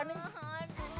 enggak pecah nih